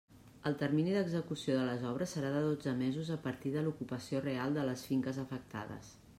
El termini d'execució de les obres serà de dotze mesos a partir de l'ocupació real de les finques afectades.